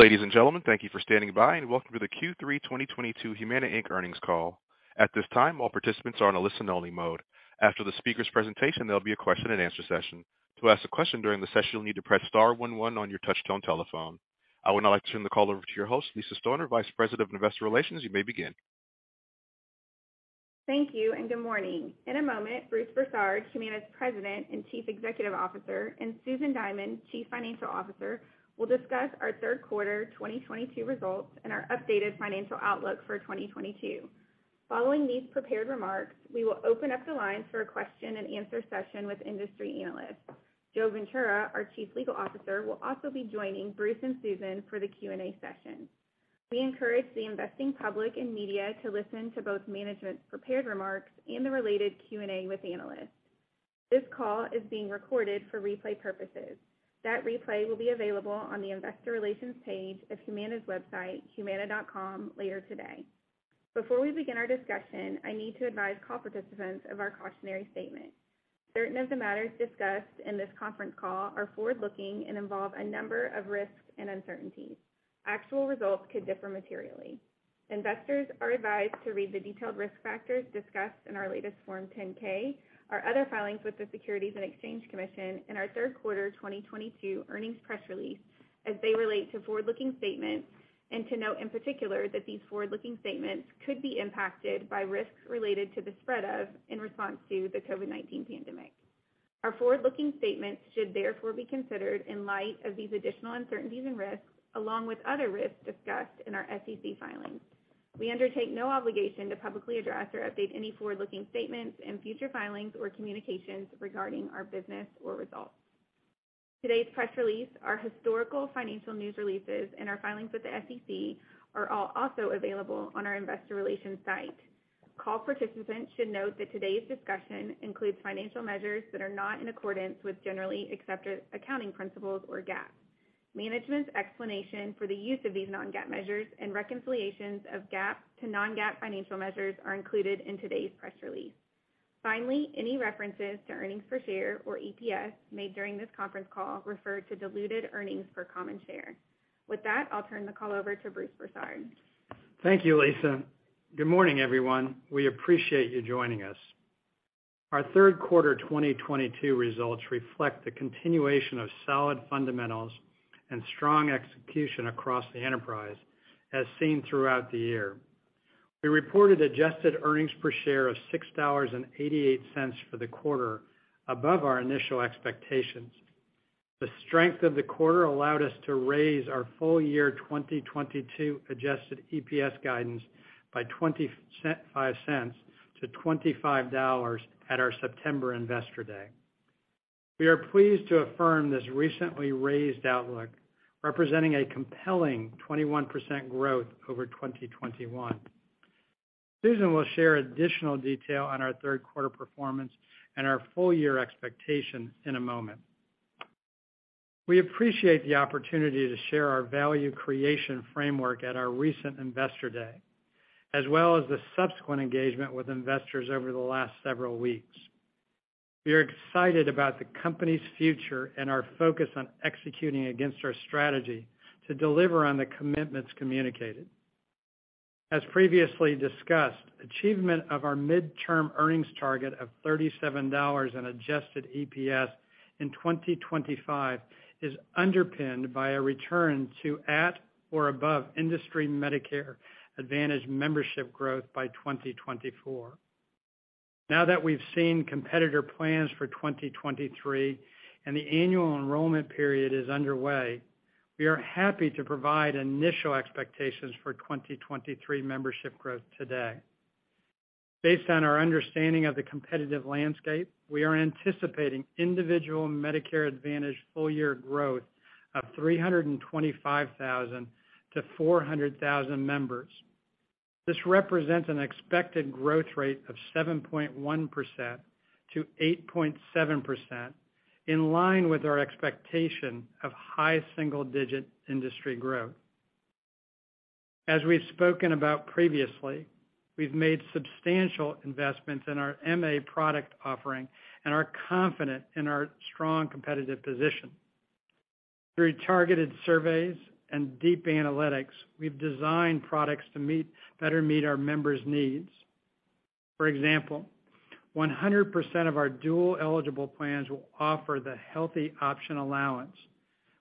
Ladies and gentlemen, thank you for standing by, and welcome to the Q3 2022 Humana Inc earnings call. At this time, all participants are in a listen-only mode. After the speaker's presentation, there'll be a question-and-answer session. To ask a question during the session, you'll need to press star one one on your touchtone telephone. I would now like to turn the call over to your host, Lisa Stoner, Vice President of Investor Relations. You may begin. Thank you, and good morning. In a moment, Bruce Broussard, Humana's President and Chief Executive Officer, and Susan Diamond, Chief Financial Officer, will discuss our third quarter 2022 results and our updated financial outlook for 2022. Following these prepared remarks, we will open up the lines for a question-and-answer session with industry analysts. Joseph Ventura, our Chief Legal Officer, will also be joining Bruce and Susan for the Q&A session. We encourage the investing public and media to listen to both management's prepared remarks and the related Q&A with analysts. This call is being recorded for replay purposes. That replay will be available on the investor relations page of Humana's website, humana.com, later today. Before we begin our discussion, I need to advise call participants of our cautionary statement. Certain of the matters discussed in this conference call are forward-looking and involve a number of risks and uncertainties. Actual results could differ materially. Investors are advised to read the detailed risk factors discussed in our latest Form 10-K, our other filings with the Securities and Exchange Commission, and our third quarter 2022 earnings press release as they relate to forward-looking statements, and to note in particular that these forward-looking statements could be impacted by risks related to the spread of, or in response to, the COVID-19 pandemic. Our forward-looking statements should therefore be considered in light of these additional uncertainties and risks, along with other risks discussed in our SEC filings. We undertake no obligation to publicly address or update any forward-looking statements in future filings or communications regarding our business or results. Today's press release, our historical financial news releases, and our filings with the SEC are all also available on our investor relations site. Call participants should note that today's discussion includes financial measures that are not in accordance with generally accepted accounting principles, or GAAP. Management's explanation for the use of these non-GAAP measures and reconciliations of GAAP to non-GAAP financial measures are included in today's press release. Finally, any references to earnings per share, or EPS, made during this conference call refer to diluted earnings per common share. With that, I'll turn the call over to Bruce Broussard. Thank you, Lisa. Good morning, everyone. We appreciate you joining us. Our third quarter 2022 results reflect the continuation of solid fundamentals and strong execution across the enterprise as seen throughout the year. We reported adjusted earnings per share of $6.88 for the quarter, above our initial expectations. The strength of the quarter allowed us to raise our full year 2022 adjusted EPS guidance by five cents to $25 at our September Investor Day. We are pleased to affirm this recently raised outlook, representing a compelling 21% growth over 2021. Susan will share additional detail on our third quarter performance and our full year expectations in a moment. We appreciate the opportunity to share our value creation framework at our recent Investor Day, as well as the subsequent engagement with investors over the last several weeks. We are excited about the company's future and our focus on executing against our strategy to deliver on the commitments communicated. As previously discussed, achievement of our midterm earnings target of $37 in adjusted EPS in 2025 is underpinned by a return to at or above industry Medicare Advantage membership growth by 2024. Now that we've seen competitor plans for 2023 and the annual enrollment period is underway, we are happy to provide initial expectations for 2023 membership growth today. Based on our understanding of the competitive landscape, we are anticipating individual Medicare Advantage full year growth of 325,000-400,000 members. This represents an expected growth rate of 7.1%-8.7%, in line with our expectation of high single-digit industry growth. As we've spoken about previously, we've made substantial investments in our MA product offering and are confident in our strong competitive position. Through targeted surveys and deep analytics, we've designed products to meet our members' needs. For example, 100% of our dual-eligible plans will offer the Healthy Options allowance,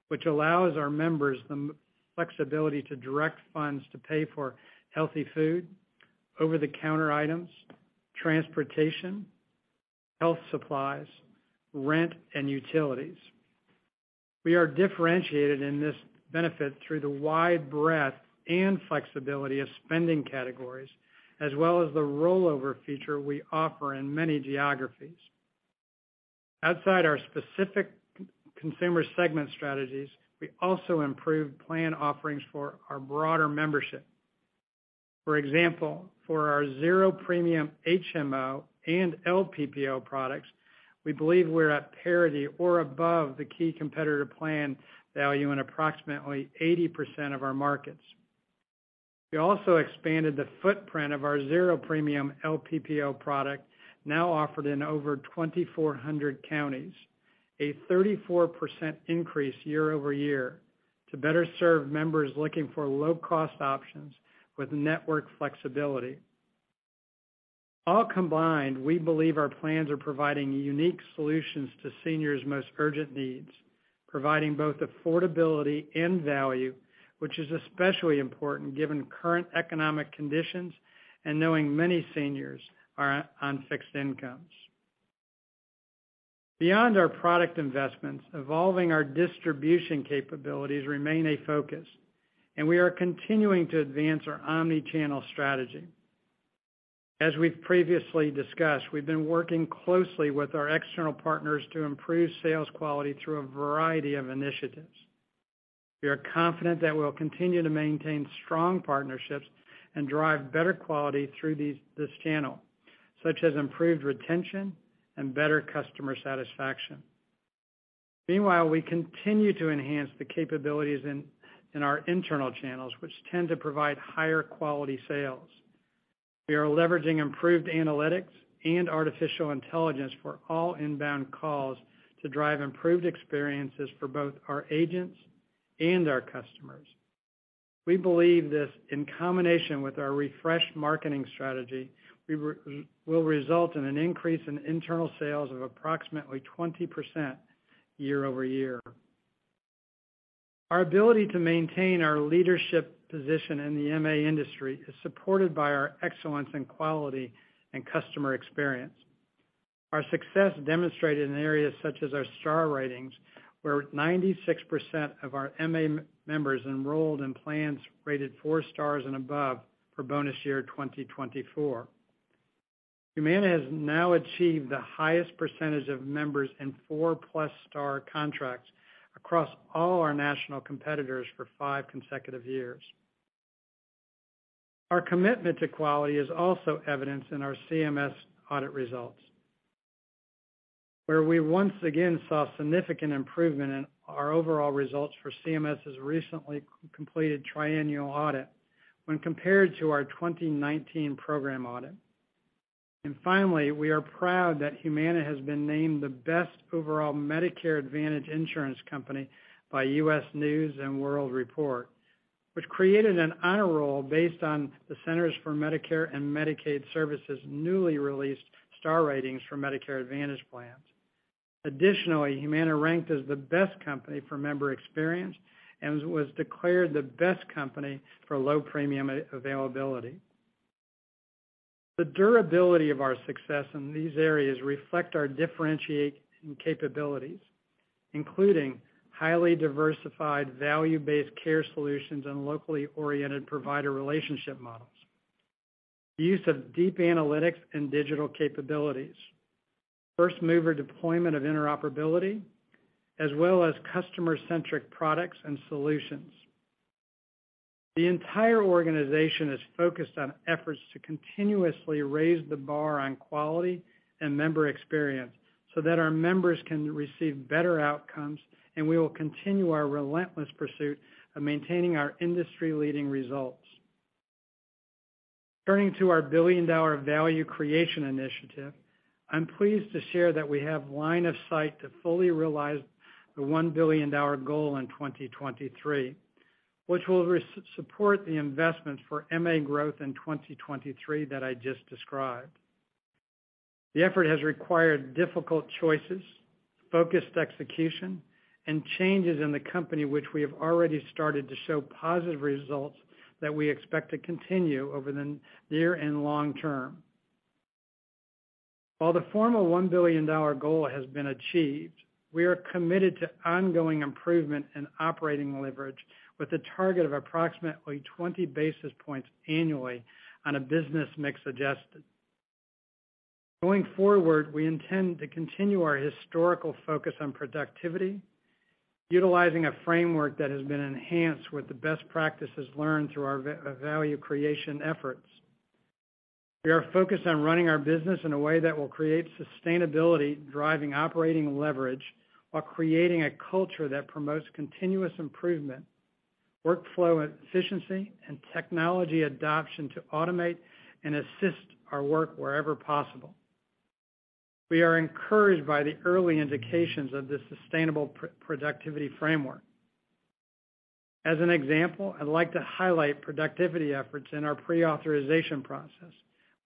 which allows our members the flexibility to direct funds to pay for healthy food, over-the-counter items, transportation, health supplies, rent, and utilities. We are differentiated in this benefit through the wide breadth and flexibility of spending categories, as well as the rollover feature we offer in many geographies. Outside our specific consumer segment strategies, we also improved plan offerings for our broader membership. For example, for our zero-premium HMO and LPPO products, we believe we're at parity or above the key competitor plan value in approximately 80% of our markets. We also expanded the footprint of our zero premium LPPO product now offered in over 2,400 counties, a 34% increase year-over-year to better serve members looking for low cost options with network flexibility. All combined, we believe our plans are providing unique solutions to seniors' most urgent needs, providing both affordability and value, which is especially important given current economic conditions and knowing many seniors are on fixed incomes. Beyond our product investments, evolving our distribution capabilities remain a focus, and we are continuing to advance our omni-channel strategy. As we've previously discussed, we've been working closely with our external partners to improve sales quality through a variety of initiatives. We are confident that we'll continue to maintain strong partnerships and drive better quality through this channel, such as improved retention and better customer satisfaction. Meanwhile, we continue to enhance the capabilities in our internal channels, which tend to provide higher quality sales. We are leveraging improved analytics and artificial intelligence for all inbound calls to drive improved experiences for both our agents and our customers. We believe this in combination with our refreshed marketing strategy will result in an increase in internal sales of approximately 20% year-over-year. Our ability to maintain our leadership position in the MA industry is supported by our excellence in quality and customer experience. Our success demonstrated in areas such as our star ratings, where 96% of our MA members enrolled in plans rated four stars and above for bonus year 2024. Humana has now achieved the highest percentage of members in four-plus star contracts across all our national competitors for five consecutive years. Our commitment to quality is also evidenced in our CMS audit results, where we once again saw significant improvement in our overall results for CMS's recently completed triennial audit when compared to our 2019 program audit. Finally, we are proud that Humana has been named the best overall Medicare Advantage insurance company by U.S. News & World Report, which created an honor roll based on the Centers for Medicare & Medicaid Services' newly released star ratings for Medicare Advantage Plans. Additionally, Humana ranked as the best company for member experience and was declared the best company for low premium availability. The durability of our success in these areas reflect our differentiating capabilities, including highly diversified value-based care solutions and locally oriented provider relationship models. Use of deep analytics and digital capabilities, first mover deployment of interoperability, as well as customer-centric products and solutions. The entire organization is focused on efforts to continuously raise the bar on quality and member experience so that our members can receive better outcomes, and we will continue our relentless pursuit of maintaining our industry-leading results. Turning to our billion-dollar value creation initiative, I'm pleased to share that we have line of sight to fully realize the $1 billion goal in 2023, which will support the investment for MA growth in 2023 that I just described. The effort has required difficult choices, focused execution, and changes in the company which we have already started to show positive results that we expect to continue over the near and long term. While the formal $1 billion goal has been achieved, we are committed to ongoing improvement in operating leverage with a target of approximately 20 basis points annually on a business mix adjusted. Going forward, we intend to continue our historical focus on productivity, utilizing a framework that has been enhanced with the best practices learned through our value creation efforts. We are focused on running our business in a way that will create sustainability, driving operating leverage while creating a culture that promotes continuous improvement, workflow efficiency, and technology adoption to automate and assist our work wherever possible. We are encouraged by the early indications of this sustainable productivity framework. As an example, I'd like to highlight productivity efforts in our pre-authorization process,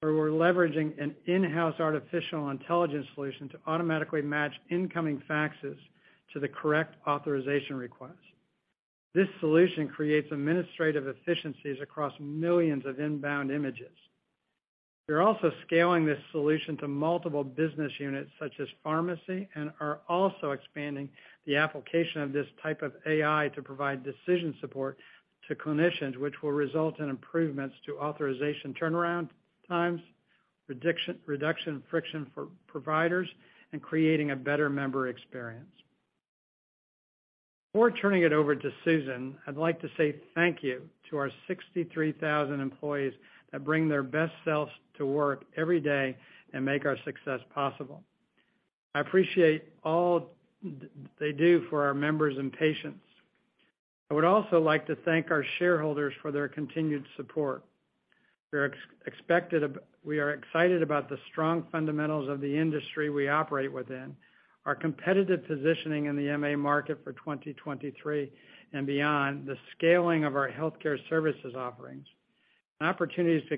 where we're leveraging an in-house artificial intelligence solution to automatically match incoming faxes to the correct authorization request. This solution creates administrative efficiencies across millions of inbound images. We're also scaling this solution to multiple business units such as pharmacy, and are also expanding the application of this type of AI to provide decision support to clinicians, which will result in improvements to authorization turnaround times, predicted reduction in friction for providers, and creating a better member experience. Before turning it over to Susan, I'd like to say thank you to our 63,000 employees that bring their best selves to work every day and make our success possible. I appreciate all they do for our members and patients. I would also like to thank our shareholders for their continued support. We are excited about the strong fundamentals of the industry we operate within, our competitive positioning in the MA market for 2023 and beyond, the scaling of our healthcare services offerings, and opportunities to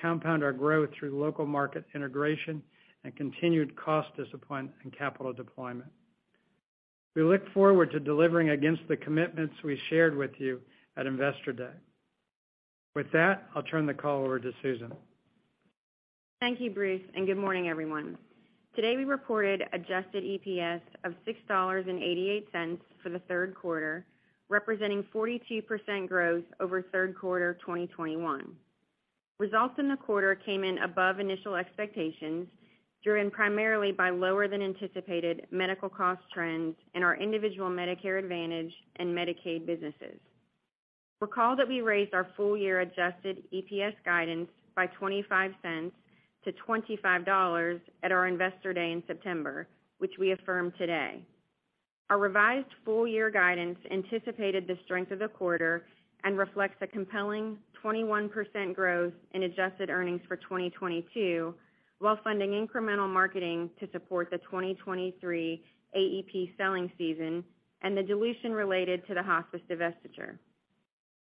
compound our growth through local market integration and continued cost discipline and capital deployment. We look forward to delivering against the commitments we shared with you at Investor Day. With that, I'll turn the call over to Susan. Thank you, Bruce, and good morning, everyone. Today, we reported adjusted EPS of $6.88 for the third quarter, representing 42% growth over third quarter 2021. Results in the quarter came in above initial expectations, driven primarily by lower than anticipated medical cost trends in our individual Medicare Advantage and Medicaid businesses. Recall that we raised our full-year adjusted EPS guidance by 25 cents to $25 at our Investor Day in September, which we affirm today. Our revised full-year guidance anticipated the strength of the quarter and reflects a compelling 21% growth in adjusted earnings for 2022, while funding incremental marketing to support the 2023 AEP selling season and the dilution related to the hospice divestiture.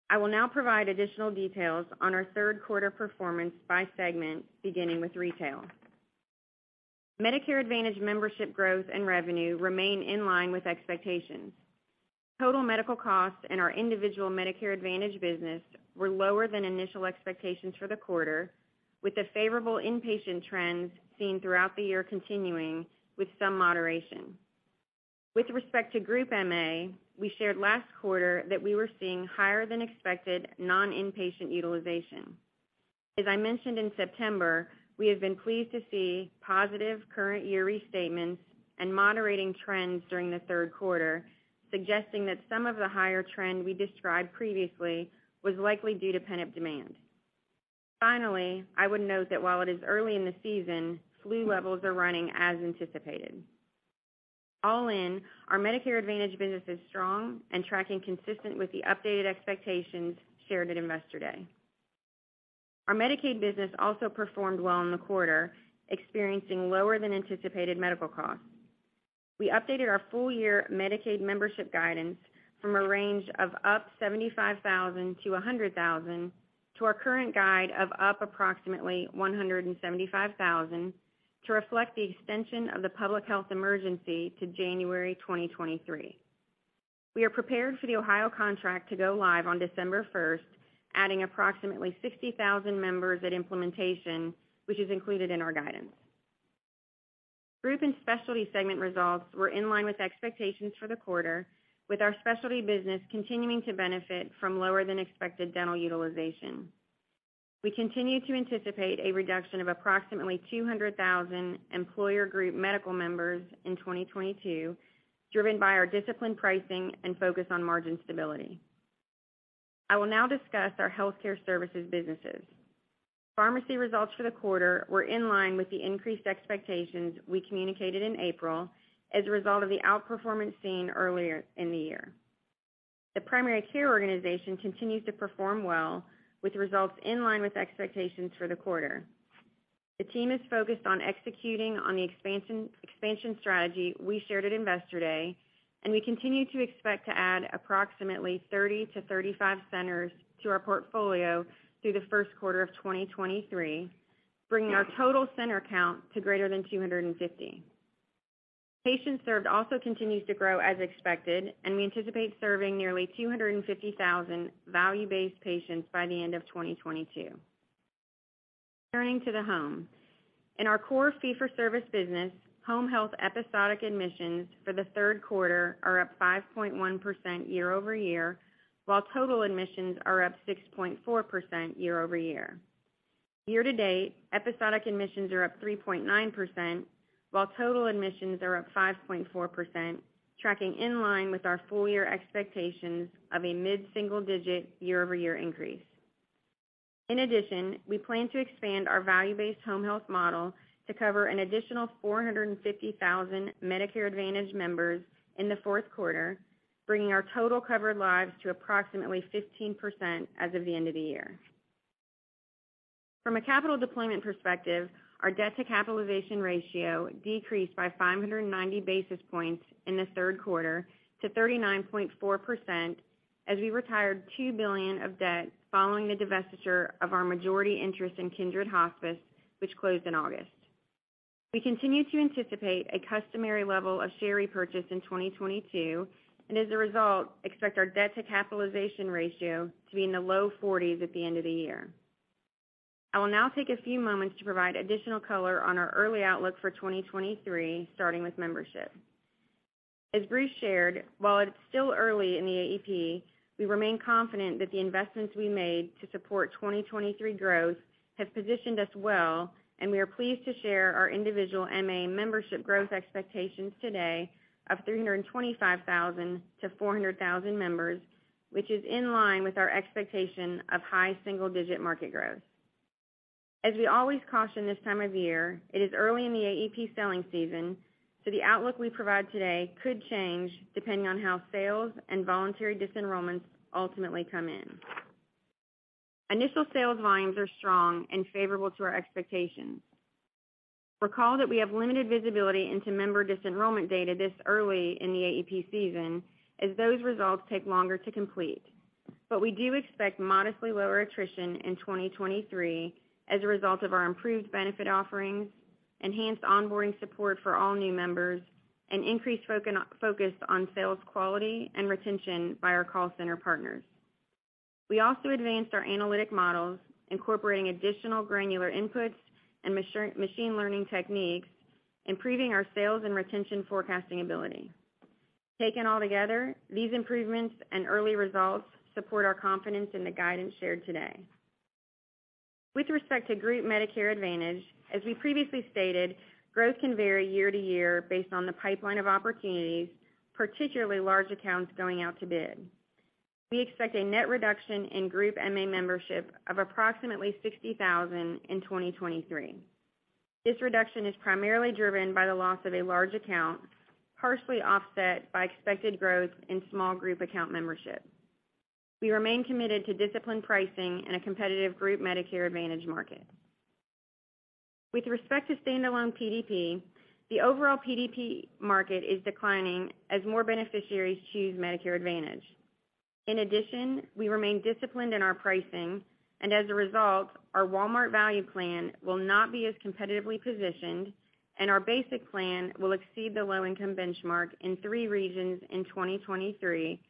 I will now provide additional details on our third quarter performance by segment, beginning with Retail. Medicare Advantage membership growth and revenue remain in line with expectations. Total medical costs in our individual Medicare Advantage business were lower than initial expectations for the quarter, with the favorable inpatient trends seen throughout the year continuing with some moderation. With respect to Group MA, we shared last quarter that we were seeing higher than expected non-inpatient utilization. As I mentioned in September, we have been pleased to see positive current year restatements and moderating trends during the third quarter, suggesting that some of the higher trend we described previously was likely due to pent-up demand. Finally, I would note that while it is early in the season, flu levels are running as anticipated. All in, our Medicare Advantage business is strong and tracking consistent with the updated expectations shared at Investor Day. Our Medicaid business also performed well in the quarter, experiencing lower than anticipated medical costs. We updated our full year Medicaid membership guidance from a range of up 75,000 to 100,000, to our current guide of up approximately 175,000 to reflect the extension of the public health emergency to January 2023. We are prepared for the Ohio contract to go live on December 1st, adding approximately 60,000 members at implementation, which is included in our guidance. Group and Specialty segment results were in line with expectations for the quarter, with our Specialty business continuing to benefit from lower than expected dental utilization. We continue to anticipate a reduction of approximately 200,000 employer group medical members in 2022, driven by our disciplined pricing and focus on margin stability. I will now discuss our healthcare services businesses. Pharmacy results for the quarter were in line with the increased expectations we communicated in April as a result of the outperformance seen earlier in the year. The primary care organization continues to perform well, with results in line with expectations for the quarter. The team is focused on executing on the expansion strategy we shared at Investor Day, and we continue to expect to add approximately 30-35 centers to our portfolio through the first quarter of 2023, bringing our total center count to greater than 250. Patients served also continues to grow as expected, and we anticipate serving nearly 250,000 value-based patients by the end of 2022. Turning to the home. In our core fee-for-service business, home health episodic admissions for the third quarter are up 5.1% year-over-year, while total admissions are up 6.4% year-over-year. Year to date, episodic admissions are up 3.9%, while total admissions are up 5.4%, tracking in line with our full year expectations of a mid-single digit year-over-year increase. In addition, we plan to expand our value-based home health model to cover an additional 450,000 Medicare Advantage members in the fourth quarter, bringing our total covered lives to approximately 15% as of the end of the year. From a capital deployment perspective, our debt to capitalization ratio decreased by 590 basis points in the third quarter to 39.4% as we retired $2 billion of debt following the divestiture of our majority interest in Kindred Hospice, which closed in August. We continue to anticipate a customary level of share repurchase in 2022 and as a result, expect our debt to capitalization ratio to be in the low 40s at the end of the year. I will now take a few moments to provide additional color on our early outlook for 2023, starting with membership. As Bruce shared, while it's still early in the AEP, we remain confident that the investments we made to support 2023 growth have positioned us well, and we are pleased to share our individual MA membership growth expectations today of 325,000-400,000 members, which is in line with our expectation of high single digit market growth. We always caution this time of year, it is early in the AEP selling season, so the outlook we provide today could change depending on how sales and voluntary disenrollments ultimately come in. Initial sales volumes are strong and favorable to our expectations. Recall that we have limited visibility into member disenrollment data this early in the AEP season, as those results take longer to complete. We do expect modestly lower attrition in 2023 as a result of our improved benefit offerings, enhanced onboarding support for all new members, and increased focus on sales quality and retention by our call center partners. We also advanced our analytic models, incorporating additional granular inputs and machine learning techniques, improving our sales and retention forecasting ability. Taken all together, these improvements and early results support our confidence in the guidance shared today. With respect to group Medicare Advantage, as we previously stated, growth can vary year-to-year based on the pipeline of opportunities, particularly large accounts going out to bid. We expect a net reduction in group MA membership of approximately 60,000 in 2023. This reduction is primarily driven by the loss of a large account, partially offset by expected growth in small group account membership. We remain committed to disciplined pricing in a competitive group Medicare Advantage market. With respect to standalone PDP, the overall PDP market is declining as more beneficiaries choose Medicare Advantage. In addition, we remain disciplined in our pricing, and as a result, our Walmart Value Plan will not be as competitively positioned, and our basic plan will exceed the low-income benchmark in three regions in 2023,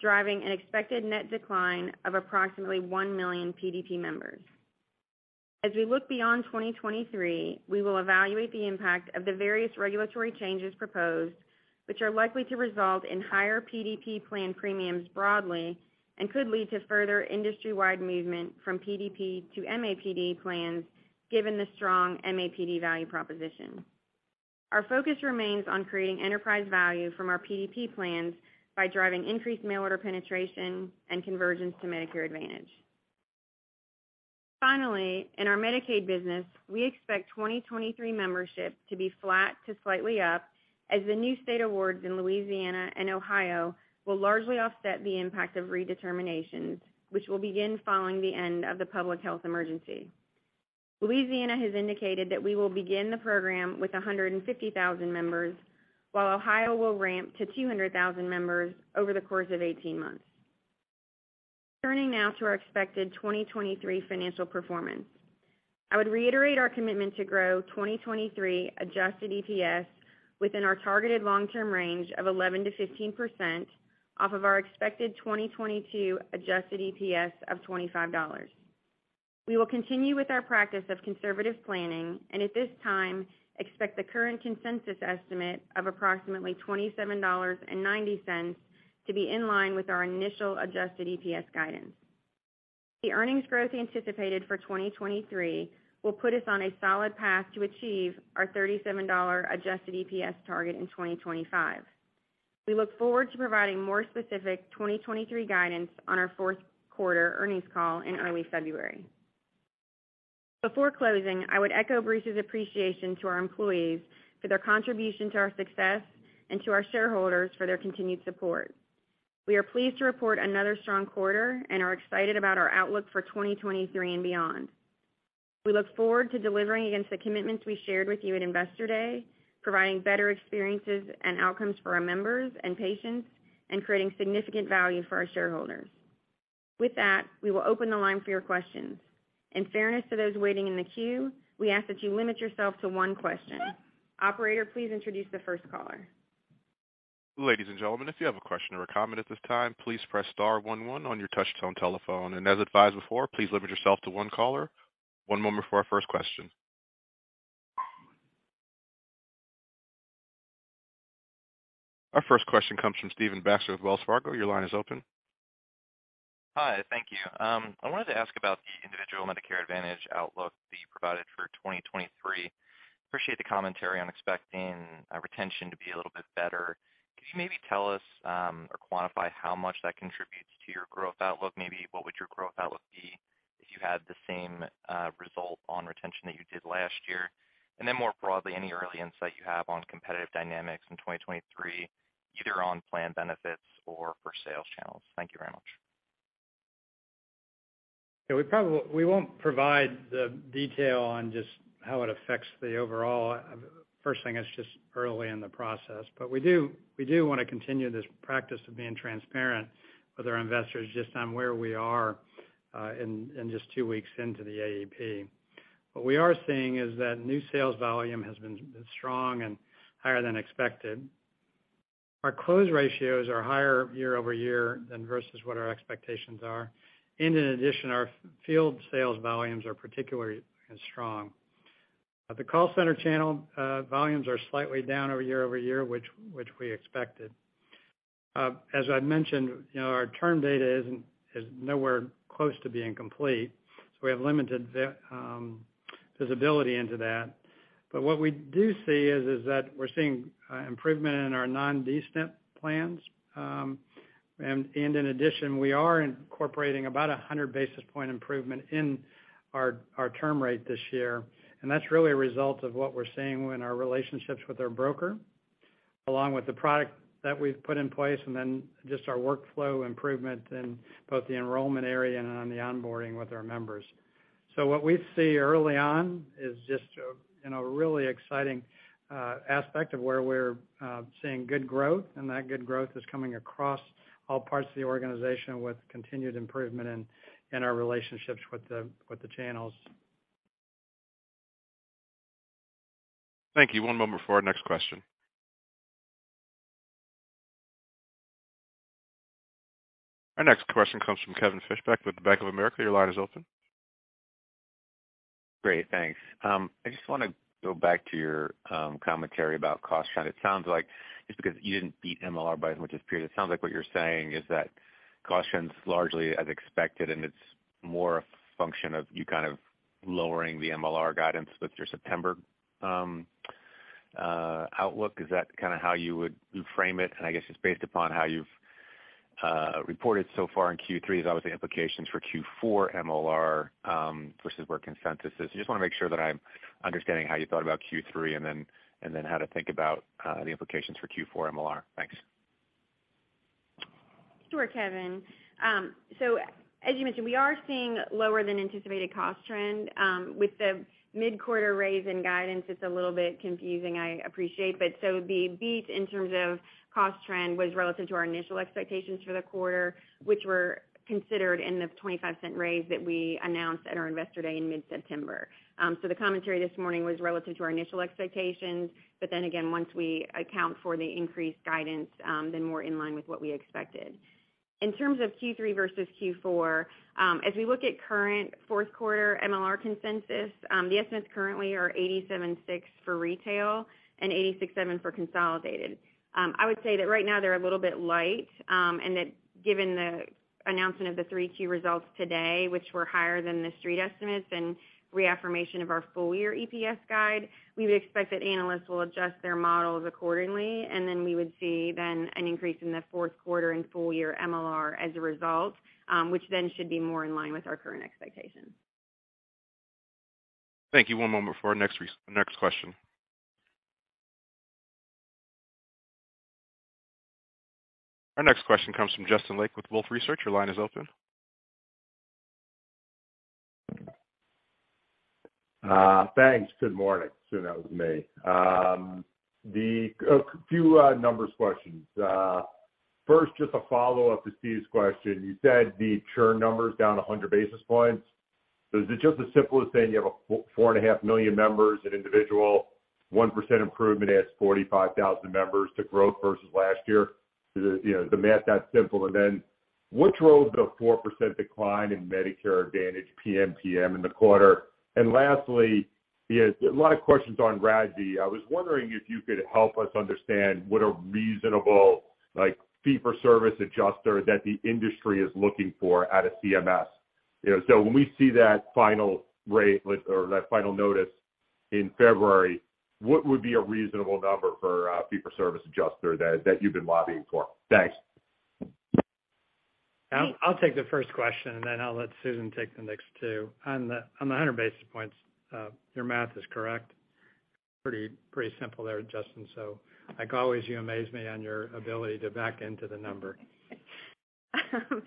driving an expected net decline of approximately 1 million PDP members. As we look beyond 2023, we will evaluate the impact of the various regulatory changes proposed, which are likely to result in higher PDP plan premiums broadly and could lead to further industry-wide movement from PDP to MAPD plans, given the strong MAPD value proposition. Our focus remains on creating enterprise value from our PDP plans by driving increased mail order penetration and conversions to Medicare Advantage. Finally, in our Medicaid business, we expect 2023 membership to be flat to slightly up, as the new state awards in Louisiana and Ohio will largely offset the impact of redeterminations, which will begin following the end of the public health emergency. Louisiana has indicated that we will begin the program with 150,000 members, while Ohio will ramp to 200,000 members over the course of 18 months. Turning now to our expected 2023 financial performance. I would reiterate our commitment to grow 2023 adjusted EPS within our targeted long-term range of 11%-15% off of our expected 2022 adjusted EPS of $25. We will continue with our practice of conservative planning and at this time expect the current consensus estimate of approximately $27.90 to be in line with our initial adjusted EPS guidance. The earnings growth anticipated for 2023 will put us on a solid path to achieve our $37 adjusted EPS target in 2025. We look forward to providing more specific 2023 guidance on our fourth quarter earnings call in early February. Before closing, I would echo Bruce's appreciation to our employees for their contribution to our success and to our shareholders for their continued support. We are pleased to report another strong quarter and are excited about our outlook for 2023 and beyond. We look forward to delivering against the commitments we shared with you at Investor Day, providing better experiences and outcomes for our members and patients, and creating significant value for our shareholders. With that, we will open the line for your questions. In fairness to those waiting in the queue, we ask that you limit yourself to one question. Operator, please introduce the first caller. Ladies and gentlemen, if you have a question or a comment at this time, please press star one one on your touch-tone telephone. As advised before, please limit yourself to one caller. One moment for our first question. Our first question comes from Stephen Baxter with Wells Fargo. Your line is open. Hi. Thank you. I wanted to ask about the individual Medicare Advantage outlook that you provided for 2023. Appreciate the commentary on expecting retention to be a little bit better. Could you maybe tell us or quantify how much that contributes to your growth outlook? Maybe what would your growth outlook be if you had the same result on retention that you did last year? More broadly, any early insight you have on competitive dynamics in 2023, either on plan benefits or for sales channels. Thank you very much. Yeah, we won't provide the detail on just how it affects the overall. First thing, it's just early in the process, but we do wanna continue this practice of being transparent with our investors just on where we are in just two weeks into the AEP. What we are seeing is that new sales volume has been strong and higher than expected. Our close ratios are higher year-over-year than versus what our expectations are. In addition, our field sales volumes are particularly strong. At the call center channel, volumes are slightly down year-over-year, which we expected. As I'd mentioned, you know, our term data is nowhere close to being complete, so we have limited visibility into that. What we do see is that we're seeing improvement in our non-DSNP plans. In addition, we are incorporating about 100 basis point improvement in our churn rate this year. That's really a result of what we're seeing in our relationships with our broker, along with the product that we've put in place, and then just our workflow improvement in both the enrollment area and on the onboarding with our members. What we see early on is just a, you know, a really exciting aspect of where we're seeing good growth, and that good growth is coming across all parts of the organization with continued improvement in our relationships with the channels. Thank you. One moment for our next question. Our next question comes from Kevin Fischbeck with Bank of America. Your line is open. Great, thanks. I just wanna go back to your commentary about cost trend. It sounds like just because you didn't beat MLR by as much as period, it sounds like what you're saying is that cost trend's largely as expected and it's more a function of you kind of lowering the MLR guidance with your September outlook. Is that kinda how you would frame it? I guess just based upon how you've reported so far in Q3, there's obviously implications for Q4 MLR versus where consensus is. Just wanna make sure that I'm understanding how you thought about Q3, and then how to think about the implications for Q4 MLR. Thanks. Sure, Kevin. As you mentioned, we are seeing lower than anticipated cost trend with the mid-quarter raise in guidance. It's a little bit confusing, I appreciate. The beat in terms of cost trend was relative to our initial expectations for the quarter, which were considered in the $0.25 raise that we announced at our Investor Day in mid-September. The commentary this morning was relative to our initial expectations, but then again, once we account for the increased guidance, then more in line with what we expected. In terms of Q3 versus Q4, as we look at current fourth quarter MLR consensus, the estimates currently are 87.6% for retail and 86.7% for consolidated. I would say that right now they're a little bit light, and that given the announcement of the 3Q results today, which were higher than the Street estimates and reaffirmation of our full year EPS guide, we would expect that analysts will adjust their models accordingly. We would see an increase in the fourth quarter and full year MLR as a result, which then should be more in line with our current expectations. Thank you. One moment for our next question. Our next question comes from Justin Lake with Wolfe Research. Your line is open. Thanks. Good morning. That was me. A few numbers questions. First, just a follow-up to Steve's question. You said the churn number is down 100 basis points. Is it just as simple as saying you have 4.5 million members in individual, 1% improvement adds 45,000 members to growth versus last year? Is it, you know, is the math that simple? And then which drove the 4% decline in Medicare Advantage PNPM in the quarter? And lastly, there's a lot of questions on RADV. I was wondering if you could help us understand what a reasonable, like, fee for service adjuster that the industry is looking for out of CMS. You know, when we see that final rate or that final notice in February, what would be a reasonable number for a fee for service adjuster that you've been lobbying for? Thanks. I'll take the first question, and then I'll let Susan take the next two. On the 100 basis points, your math is correct. Pretty simple there, Justin. Like always, you amaze me on your ability to back into the number.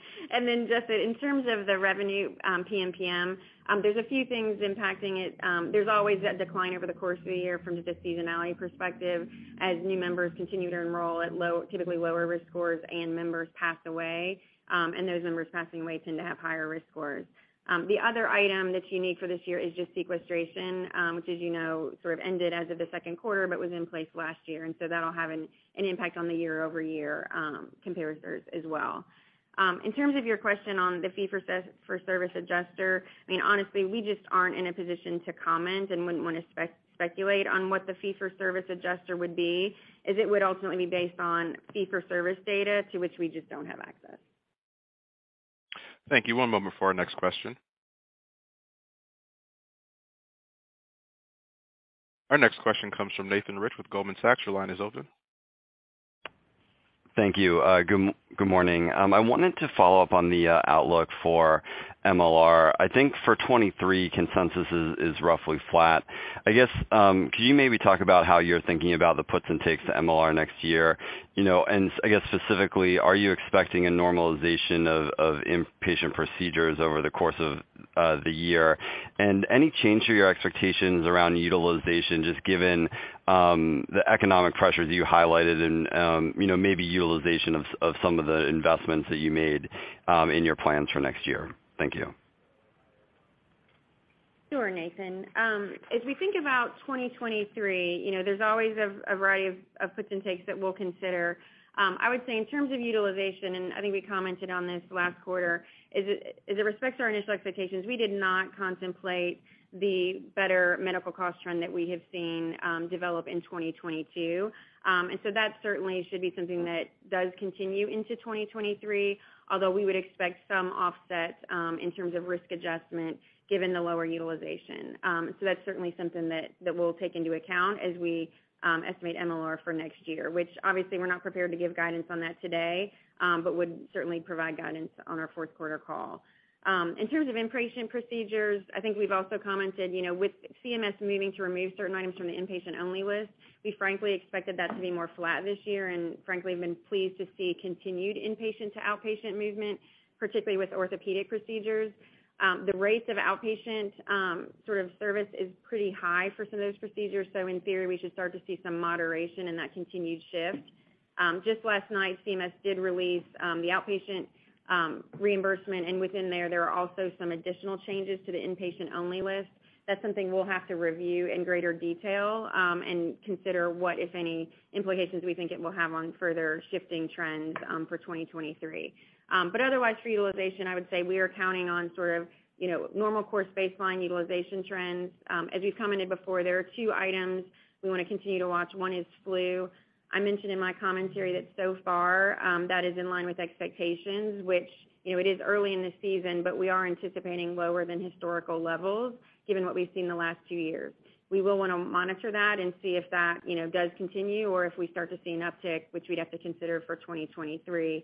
Justin, in terms of the revenue, PNPM, there's a few things impacting it. There's always a decline over the course of a year from just a seasonality perspective as new members continue to enroll at typically lower risk scores and members pass away, and those members passing away tend to have higher risk scores. The other item that's unique for this year is just sequestration, which, as you know, sort of ended as of the second quarter, but was in place last year, and so that'll have an impact on the year-over-year compares as well. In terms of your question on the fee-for-service adjuster, I mean, honestly, we just aren't in a position to comment and wouldn't wanna speculate on what the fee-for-service adjuster would be, as it would ultimately be based on fee-for-service data to which we just don't have access. Thank you. One moment for our next question. Our next question comes from Nathan Rich with Goldman Sachs. Your line is open. Thank you. Good morning. I wanted to follow up on the outlook for MLR. I think for 2023, consensus is roughly flat. I guess could you maybe talk about how you're thinking about the puts and takes to MLR next year? You know, and I guess specifically, are you expecting a normalization of inpatient procedures over the course of the year? Any change to your expectations around utilization just given the economic pressures you highlighted and you know, maybe utilization of some of the investments that you made in your plans for next year? Thank you. Sure, Nathan. As we think about 2023, you know, there's always a variety of puts and takes that we'll consider. I would say in terms of utilization, and I think we commented on this last quarter, as it relates to our initial expectations, we did not contemplate the better medical cost trend that we have seen develop in 2022. That certainly should be something that does continue into 2023, although we would expect some offset in terms of risk adjustment given the lower utilization. That's certainly something that we'll take into account as we estimate MLR for next year, which obviously we're not prepared to give guidance on that today, but would certainly provide guidance on our fourth quarter call. In terms of inpatient procedures, I think we've also commented, you know, with CMS moving to remove certain items from the inpatient-only list, we frankly expected that to be more flat this year, and frankly, have been pleased to see continued inpatient to outpatient movement, particularly with orthopedic procedures. The rates of outpatient sort of service is pretty high for some of those procedures, so in theory, we should start to see some moderation in that continued shift. Just last night, CMS did release the outpatient reimbursement, and within there are also some additional changes to the inpatient-only list. That's something we'll have to review in greater detail, and consider what, if any, implications we think it will have on further shifting trends for 2023. Otherwise, for utilization, I would say we are counting on sort of, you know, normal course baseline utilization trends. As we've commented before, there are two items we wanna continue to watch. One is flu. I mentioned in my commentary that so far, that is in line with expectations, which, you know, it is early in the season, but we are anticipating lower than historical levels given what we've seen the last two years. We will wanna monitor that and see if that, you know, does continue, or if we start to see an uptick, which we'd have to consider for 2023.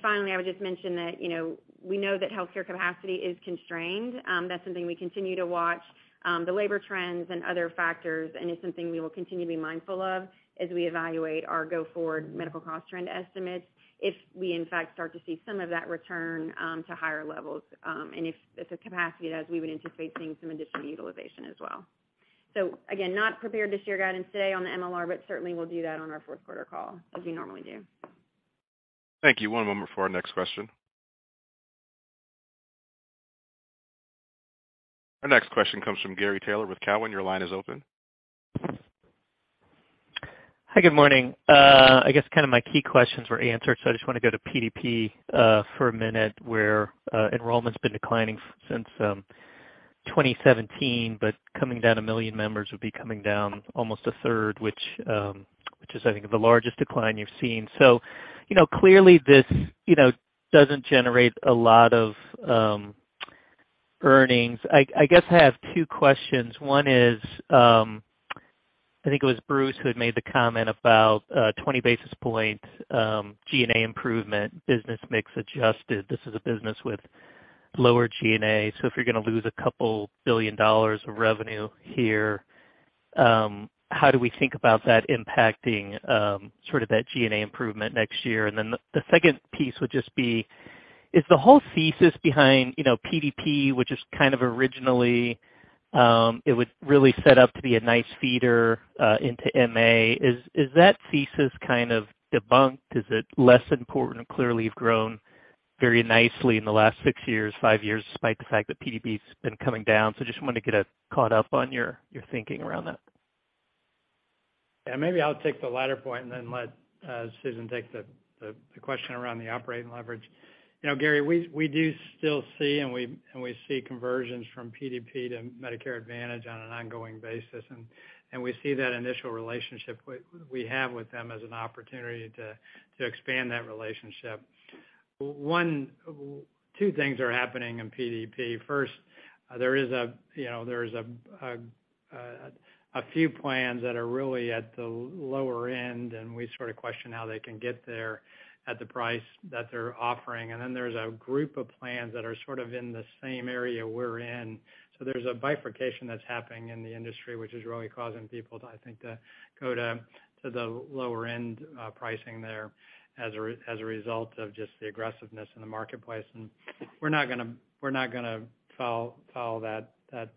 Finally, I would just mention that, you know, we know that healthcare capacity is constrained. That's something we continue to watch, the labor trends and other factors, and it's something we will continue to be mindful of as we evaluate our go-forward medical cost trend estimates if we, in fact, start to see some of that return to higher levels. If the capacity does, we would anticipate seeing some additional utilization as well. Again, not prepared to share guidance today on the MLR, but certainly we'll do that on our fourth quarter call, as we normally do. Thank you. One moment for our next question. Our next question comes from Gary Taylor with Cowen. Your line is open. Hi, good morning. I guess kind of my key questions were answered, so I just wanna go to PDP for a minute, where enrollment's been declining since 2017, but coming down 1 million members would be coming down almost a third, which is, I think, the largest decline you've seen. You know, clearly this, you know, doesn't generate a lot of earnings. I guess I have two questions. One is, I think it was Bruce who had made the comment about 20 basis points, G&A improvement, business mix adjusted. This is a business with lower G&A, so if you're gonna lose a couple $2 billion of revenue here, how do we think about that impacting sort of that G&A improvement next year? The second piece would just be, is the whole thesis behind, you know, PDP, which is kind of originally, it was really set up to be a nice feeder into MA, is that thesis kind of debunked? Is it less important? Clearly, you've grown very nicely in the last six years, five years, despite the fact that PDP's been coming down. Just wanted to get caught up on your thinking around that. Yeah, maybe I'll take the latter point and then let Susan take the question around the operating leverage. You know, Gary, we do still see, and we see conversions from PDP to Medicare Advantage on an ongoing basis. We see that initial relationship we have with them as an opportunity to expand that relationship. Two things are happening in PDP. First, there is, you know, a few plans that are really at the lower end, and we sort of question how they can get there at the price that they're offering. Then there's a group of plans that are sort of in the same area we're in. There's a bifurcation that's happening in the industry, which is really causing people to, I think, go to the lower end pricing there as a result of just the aggressiveness in the marketplace. We're not gonna follow that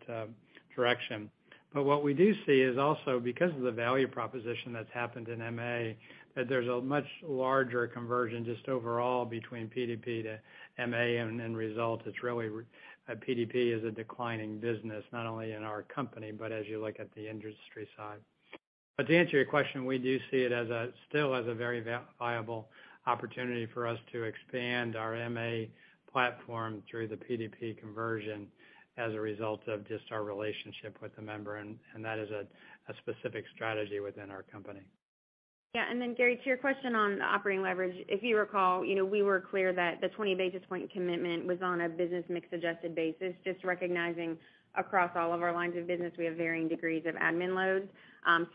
direction. What we do see is also because of the value proposition that's happened in MA, that there's a much larger conversion just overall between PDP to MA, and the end result is really PDP is a declining business, not only in our company, but as you look at the industry side. To answer your question, we do see it as still a very viable opportunity for us to expand our MA platform through the PDP conversion as a result of just our relationship with the member, and that is a specific strategy within our company. Yeah. Then Gary, to your question on the operating leverage, if you recall, you know, we were clear that the 20 basis point commitment was on a business mix adjusted basis, just recognizing across all of our lines of business, we have varying degrees of admin loads.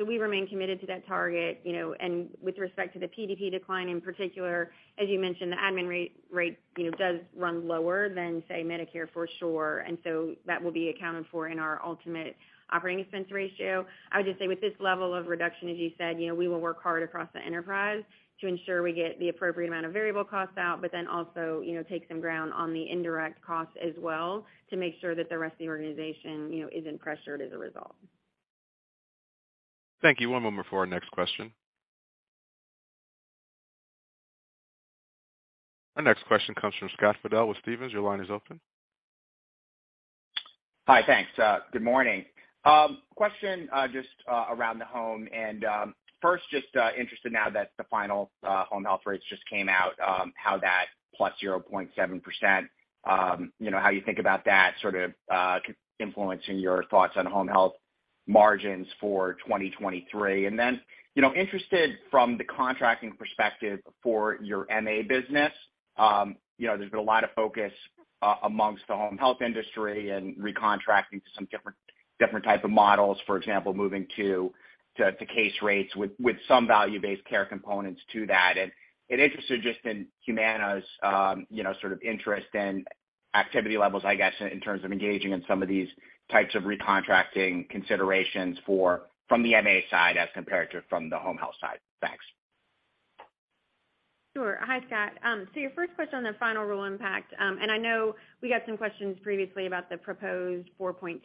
We remain committed to that target, you know. With respect to the PDP decline in particular, as you mentioned, the admin rate, you know, does run lower than, say, Medicare for sure. That will be accounted for in our ultimate operating expense ratio. I would just say with this level of reduction, as you said, you know, we will work hard across the enterprise to ensure we get the appropriate amount of variable costs out, but then also, you know, gain some ground on the indirect costs as well to make sure that the rest of the organization, you know, isn't pressured as a result. Thank you. One moment for our next question. Our next question comes from Scott Fidel with Stephens. Your line is open. Hi. Thanks. Good morning. Question, just around the home and, first, just interested now that the final home health rates just came out, how that +0.7%, you know, how you think about that sort of influencing your thoughts on home health margins for 2023. Then, you know, interested from the contracting perspective for your MA business, you know, there's been a lot of focus amongst the home health industry and recontracting to some different type of models, for example, moving to case rates with some value-based care components to that. Interested just in Humana's, you know, sort of interest and activity levels, I guess, in terms of engaging in some of these types of recontracting considerations from the MA side as compared to from the home health side. Thanks. Sure. Hi, Scott. Your first question on the final rule impact, and I know we got some questions previously about the proposed 4.2%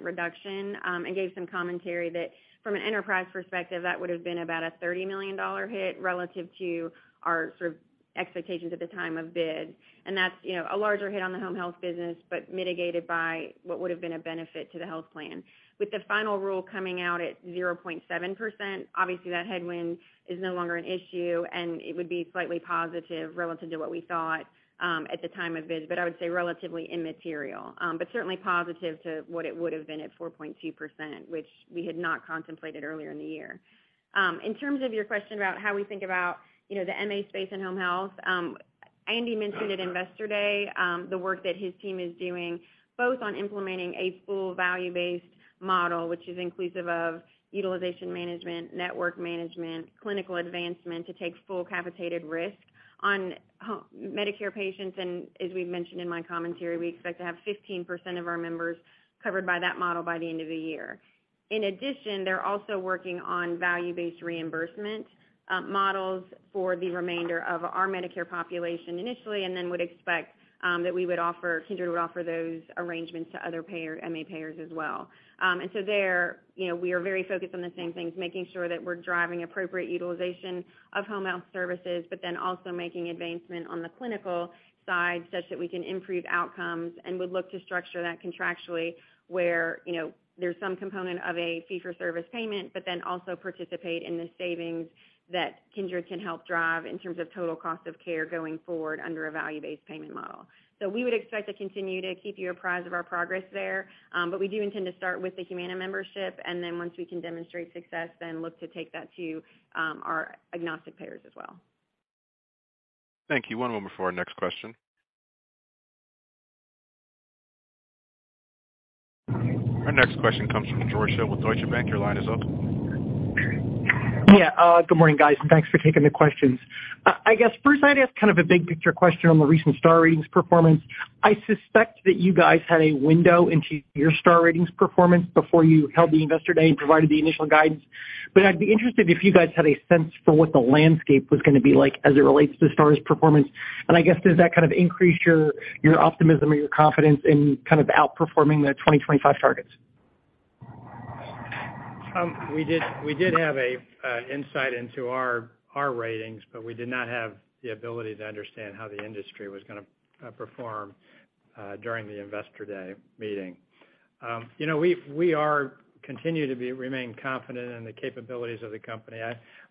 reduction, and gave some commentary that from an enterprise perspective, that would've been about a $30 million dollar hit relative to our sort of expectations at the time of bid. That's, you know, a larger hit on the home health business, but mitigated by what would've been a benefit to the health plan. With the final rule coming out at 0.7%, obviously, that headwind is no longer an issue, and it would be slightly positive relative to what we thought at the time of bid, but I would say relatively immaterial. But certainly positive to what it would've been at 4.2%, which we had not contemplated earlier in the year. In terms of your question about how we think about, you know, the MA space and home health, Andy mentioned at Investor Day, the work that his team is doing both on implementing a full value-based model, which is inclusive of utilization management, network management, clinical advancement to take full capitated risk on Medicare patients. As we've mentioned in my commentary, we expect to have 15% of our members covered by that model by the end of the year. In addition, they're also working on value-based reimbursement models for the remainder of our Medicare population initially, and then would expect that Kindred would offer those arrangements to other payer MA payers as well. There, you know, we are very focused on the same things, making sure that we're driving appropriate utilization of home health services, but then also making advancement on the clinical side such that we can improve outcomes and would look to structure that contractually where, you know, there's some component of a fee for service payment, but then also participate in the savings that Kindred can help drive in terms of total cost of care going forward under a value-based payment model. We would expect to continue to keep you apprised of our progress there, but we do intend to start with the Humana membership, and then once we can demonstrate success, then look to take that to our agnostic payers as well. Thank you. One moment for our next question. Our next question comes from George Hill with Deutsche Bank. Your line is open. Yeah, good morning, guys, and thanks for taking the questions. I guess first I'd ask kind of a big picture question on the recent Star Ratings performance. I suspect that you guys had a window into your Star Ratings performance before you held the Investor Day and provided the initial guidance. I'd be interested if you guys had a sense for what the landscape was gonna be like as it relates to Star's performance. I guess, does that kind of increase your optimism or your confidence in kind of outperforming the 2025 targets? We did have an insight into our ratings, but we did not have the ability to understand how the industry was gonna perform during the Investor Day meeting. You know, we continue to remain confident in the capabilities of the company.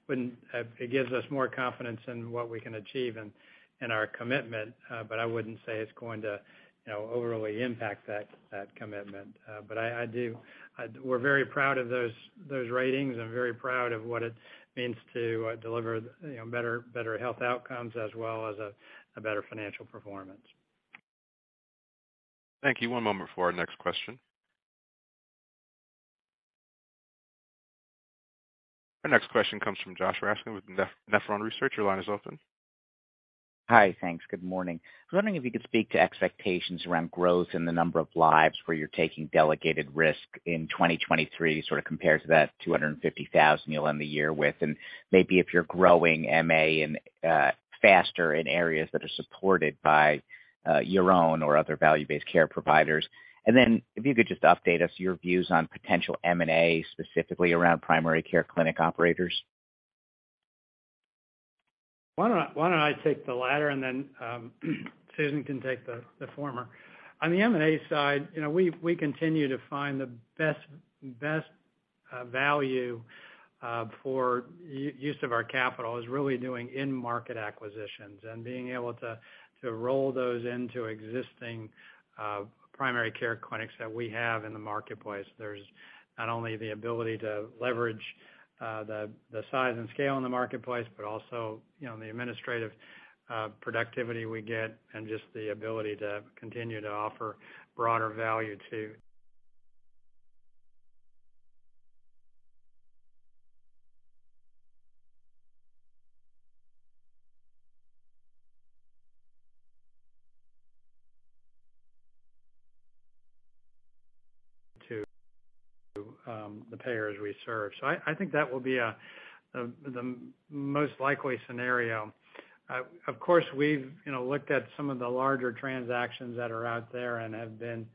It gives us more confidence in what we can achieve in our commitment, but I wouldn't say it's going to, you know, overly impact that commitment. I do. We're very proud of those ratings and very proud of what it means to deliver, you know, better health outcomes as well as a better financial performance. Thank you. One moment for our next question. Our next question comes from Joshua Raskin with Nephron Research. Your line is open. Hi. Thanks. Good morning. I was wondering if you could speak to expectations around growth in the number of lives where you're taking delegated risk in 2023, sort of compared to that 250,000 you'll end the year with, and maybe if you're growing MA faster in areas that are supported by your own or other value-based care providers. Then if you could just update us on your views on potential M&A, specifically around primary care clinic operators. Why don't I take the latter, and then Susan can take the former. On the M&A side, we continue to find the best value for use of our capital is really doing in-market acquisitions and being able to roll those into existing primary care clinics that we have in the marketplace. There's not only the ability to leverage the size and scale in the marketplace, but also the administrative productivity we get and just the ability to continue to offer broader value to the payers we serve. I think that will be the most likely scenario. Of course, we've looked at some of the larger transactions that are out there and have been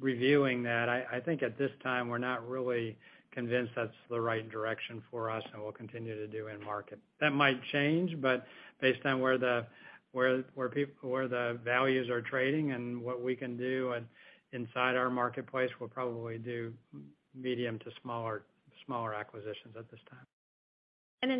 reviewing that. I think at this time, we're not really convinced that's the right direction for us, and we'll continue to do end market. That might change, but based on where the values are trading and what we can do inside our marketplace, we'll probably do medium to smaller acquisitions at this time.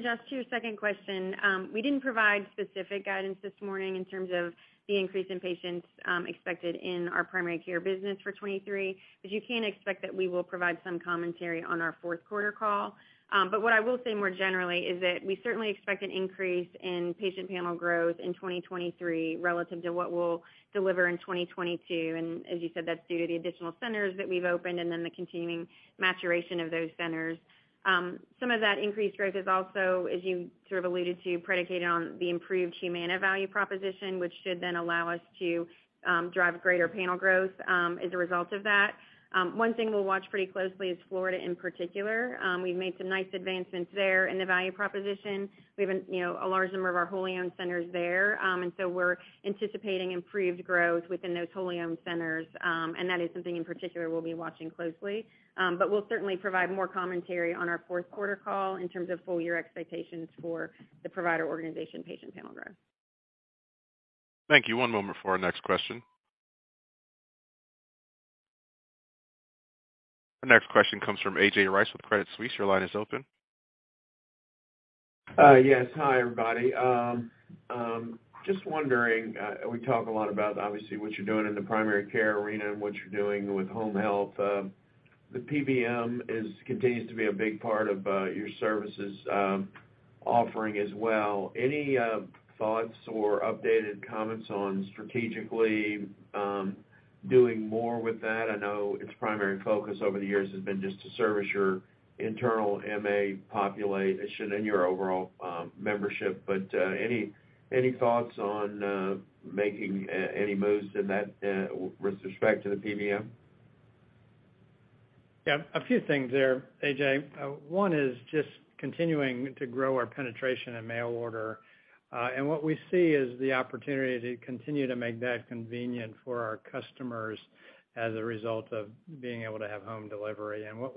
Jeff, to your second question, we didn't provide specific guidance this morning in terms of the increase in patients expected in our primary care business for 2023. You can expect that we will provide some commentary on our fourth quarter call. What I will say more generally is that we certainly expect an increase in patient panel growth in 2023 relative to what we'll deliver in 2022. As you said, that's due to the additional centers that we've opened and then the continuing maturation of those centers. Some of that increased growth is also, as you sort of alluded to, predicated on the improved Humana value proposition, which should then allow us to drive greater panel growth as a result of that. One thing we'll watch pretty closely is Florida in particular. We've made some nice advancements there in the value proposition. We have an, you know, a large number of our wholly owned centers there. We're anticipating improved growth within those wholly owned centers, and that is something in particular we'll be watching closely. We'll certainly provide more commentary on our fourth quarter call in terms of full year expectations for the provider organization patient panel growth. Thank you. One moment for our next question. Our next question comes from A.J. Rice with Credit Suisse. Your line is open. Yes. Hi, everybody. Just wondering, we talk a lot about obviously what you're doing in the primary care arena and what you're doing with home health. The PBM continues to be a big part of your services offering as well. Any thoughts or updated comments on strategically doing more with that? I know its primary focus over the years has been just to service your internal MA population and your overall membership. Any thoughts on making any moves in that with respect to the PBM? Yeah, a few things there, A.J. One is just continuing to grow our penetration in mail order. What we see is the opportunity to continue to make that convenient for our customers as a result of being able to have home delivery. What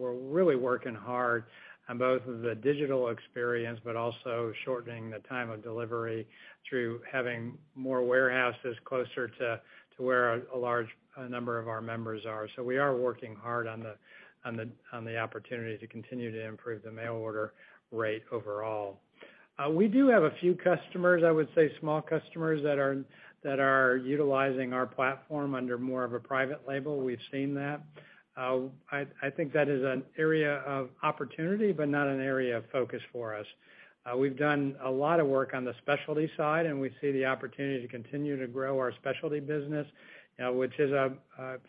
we're really working hard on both the digital experience, but also shortening the time of delivery through having more warehouses closer to where a large number of our members are. We are working hard on the opportunity to continue to improve the mail order rate overall. We do have a few customers, I would say small customers that are utilizing our platform under more of a private label. We've seen that. I think that is an area of opportunity, but not an area of focus for us. We've done a lot of work on the specialty side, and we see the opportunity to continue to grow our specialty business, which is,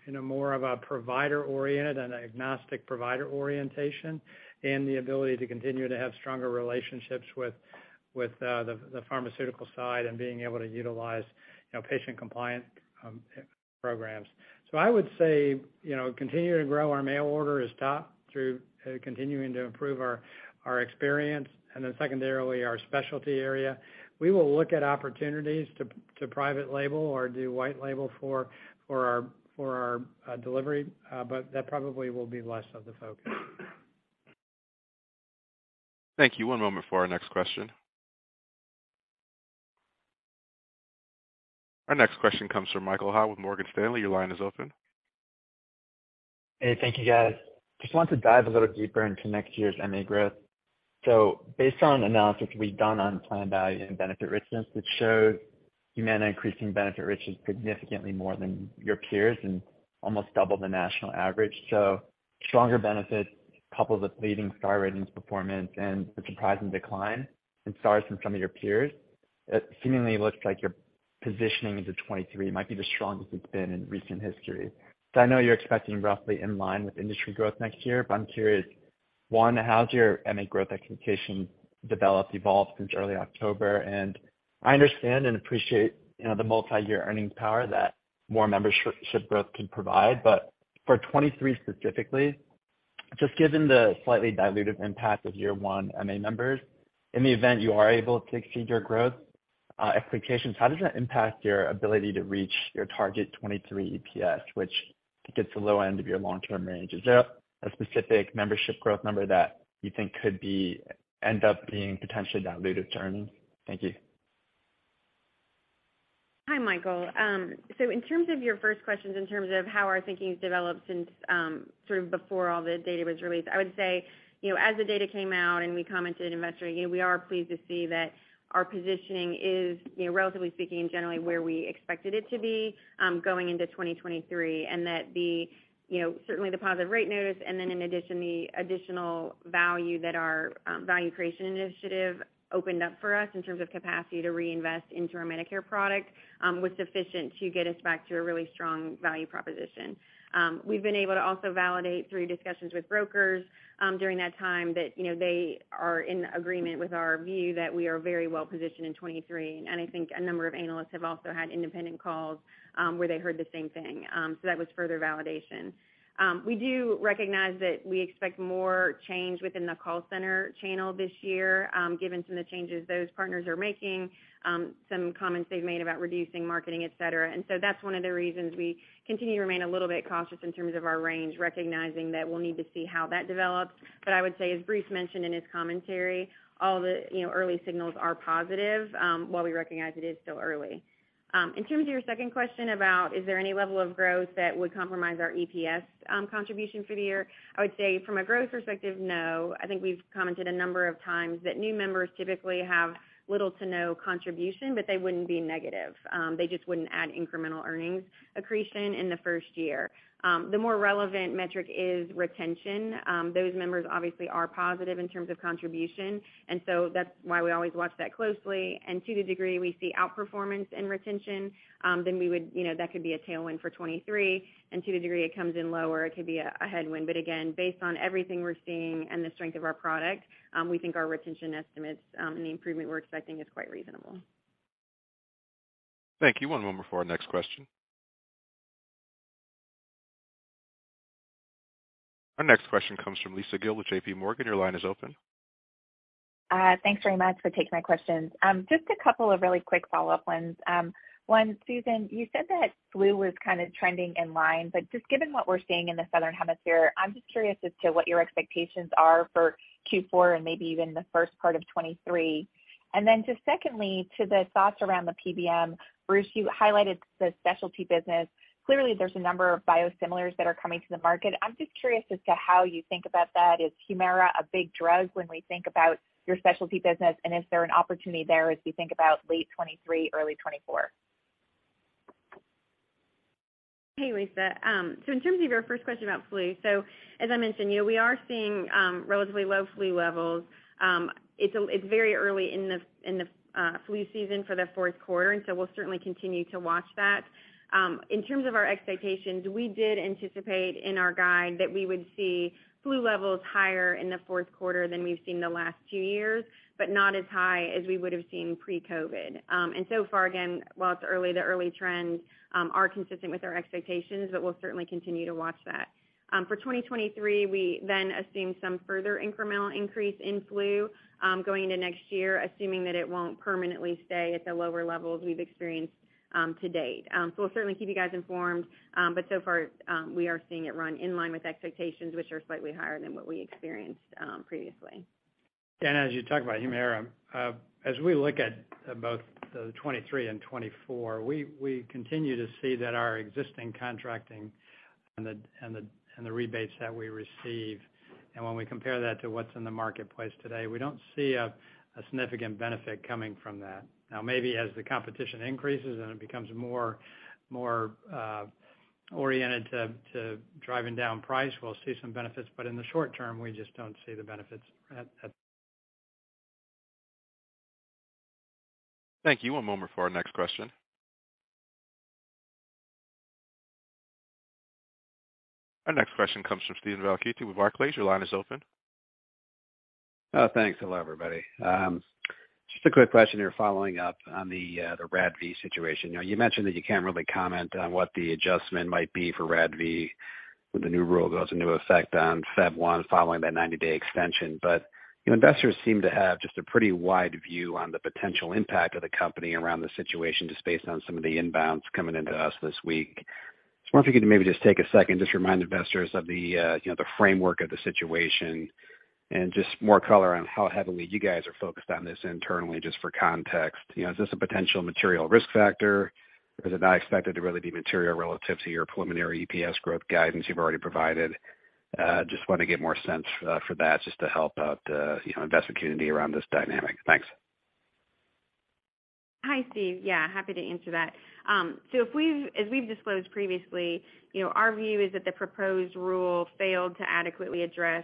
you know, more of a provider oriented and an agnostic provider orientation, and the ability to continue to have stronger relationships with the pharmaceutical side and being able to utilize, you know, patient compliance programs. I would say, you know, continuing to grow our mail order is top two, continuing to improve our experience and then secondarily, our specialty area. We will look at opportunities to private label or do white label for our delivery, but that probably will be less of the focus. Thank you. One moment for our next question. Our next question comes from Michael Hua with Morgan Stanley. Your line is open. Hey, thank you, guys. Just want to dive a little deeper into next year's MA growth. Based on analysis we've done on plan value and benefit richness that showed Humana increasing benefit richness significantly more than your peers and almost double the national average. Stronger benefits coupled with leading star ratings performance and the surprising decline in stars from some of your peers, it seemingly looks like your positioning into 2023 might be the strongest it's been in recent history. I know you're expecting roughly in line with industry growth next year, but I'm curious, one, how has your MA growth expectation developed, evolved since early October? I understand and appreciate, you know, the multiyear earnings power that more membership growth can provide. For 2023 specifically, just given the slightly dilutive impact of year one MA members, in the event you are able to exceed your growth expectations, how does that impact your ability to reach your target 2023 EPS, which gets the low end of your long-term range? Is there a specific membership growth number that you think could end up being potentially dilutive to earnings? Thank you. Hi, Michael. In terms of your first questions, in terms of how our thinking has developed since sort of before all the data was released, I would say, you know, as the data came out and we commented at Investor Day, we are pleased to see that our positioning is, you know, relatively speaking and generally where we expected it to be going into 2023, and that the, you know, certainly the positive rate notice and then in addition, the additional value that our value creation initiative opened up for us in terms of capacity to reinvest into our Medicare product was sufficient to get us back to a really strong value proposition. We've been able to also validate through discussions with brokers, during that time that, you know, they are in agreement with our view that we are very well positioned in 2023. I think a number of analysts have also had independent calls, where they heard the same thing. That was further validation. We do recognize that we expect more change within the call center channel this year, given some of the changes those partners are making, some comments they've made about reducing marketing, et cetera. That's one of the reasons we continue to remain a little bit cautious in terms of our range, recognizing that we'll need to see how that develops. I would say, as Bruce mentioned in his commentary, all the, you know, early signals are positive, while we recognize it is still early. In terms of your second question about is there any level of growth that would compromise our EPS, contribution for the year, I would say from a growth perspective, no. I think we've commented a number of times that new members typically have little to no contribution, but they wouldn't be negative. They just wouldn't add incremental earnings accretion in the first year. The more relevant metric is retention. Those members obviously are positive in terms of contribution, and so that's why we always watch that closely. To the degree we see outperformance in retention, then we would, you know, that could be a tailwind for 2023, and to the degree it comes in lower, it could be a headwind. But again, based on everything we're seeing and the strength of our product, we think our retention estimates and the improvement we're expecting is quite reasonable. Thank you. One moment for our next question. Our next question comes from Lisa Gill with JPMorgan. Your line is open. Thanks very much for taking my questions. Just a couple of really quick follow-up ones. One, Susan, you said that flu was kind of trending in line, but just given what we're seeing in the Southern Hemisphere, I'm just curious as to what your expectations are for Q4 and maybe even the first part of 2023. Just secondly, to the thoughts around the PBM, Bruce, you highlighted the specialty business. Clearly, there's a number of biosimilars that are coming to the market. I'm just curious as to how you think about that. Is Humira a big drug when we think about your specialty business, and is there an opportunity there as we think about late 2023, early 2024? Hey, Lisa. In terms of your first question about flu, as I mentioned, you know, we are seeing relatively low flu levels. It's very early in the flu season for the fourth quarter, and we'll certainly continue to watch that. In terms of our expectations, we did anticipate in our guide that we would see flu levels higher in the fourth quarter than we've seen the last two years, but not as high as we would have seen pre-COVID. So far, again, while it's early, the early trends are consistent with our expectations, but we'll certainly continue to watch that. For 2023, we then assume some further incremental increase in flu going into next year, assuming that it won't permanently stay at the lower levels we've experienced to date. We'll certainly keep you guys informed, but so far, we are seeing it run in line with expectations which are slightly higher than what we experienced previously. As you talk about Humira, as we look at both 2023 and 2024, we continue to see that our existing contracting and the rebates that we receive, and when we compare that to what's in the marketplace today, we don't see a significant benefit coming from that. Now, maybe as the competition increases and it becomes more oriented to driving down price, we'll see some benefits, but in the short term, we just don't see the benefits at. Thank you. One moment for our next question. Our next question comes from Steven Valiquette with Barclays. Your line is open. Thanks. Hello, everybody. Just a quick question here following up on the RADV situation. You know, you mentioned that you can't really comment on what the adjustment might be for RADV when the new rule goes into effect on February 1, following that 90-day extension. You know, investors seem to have just a pretty wide view on the potential impact of the company around the situation, just based on some of the inbounds coming into us this week. Just wonder if you could maybe just take a second, just remind investors of the, you know, the framework of the situation and just more color on how heavily you guys are focused on this internally, just for context. You know, is this a potential material risk factor, or is it not expected to really be material relative to your preliminary EPS growth guidance you've already provided? Just wanna get more sense for that just to help out, you know, investment community around this dynamic. Thanks. Hi, Steve. Yeah, happy to answer that. So as we've disclosed previously, you know, our view is that the proposed rule failed to adequately address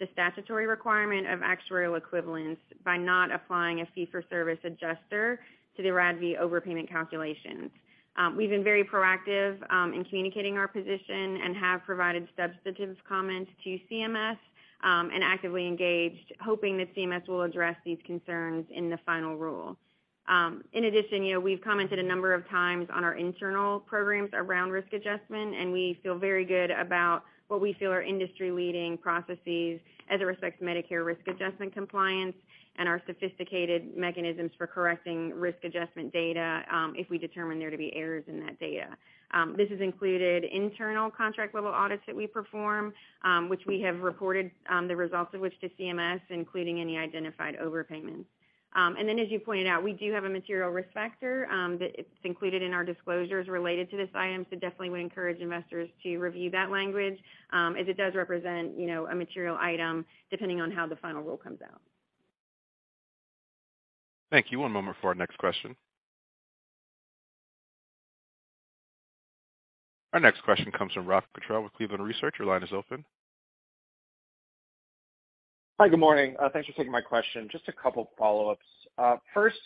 the statutory requirement of actuarial equivalence by not applying a fee-for-service adjuster to the RADV overpayment calculations. We've been very proactive in communicating our position and have provided substantive comments to CMS and actively engaged, hoping that CMS will address these concerns in the final rule. In addition, you know, we've commented a number of times on our internal programs around risk adjustment, and we feel very good about what we feel are industry-leading processes as it respects Medicare risk adjustment compliance and our sophisticated mechanisms for correcting risk adjustment data, if we determine there to be errors in that data. This has included internal contract-level audits that we perform, which we have reported the results of which to CMS, including any identified overpayments. As you pointed out, we do have a material risk factor that it's included in our disclosures related to this item, so definitely would encourage investors to review that language, as it does represent, you know, a material item depending on how the final rule comes out. Thank you. One moment for our next question. Our next question comes from Rob Cottrell with Cleveland Research. Your line is open. Hi. Good morning. Thanks for taking my question. Just a couple follow-ups. First,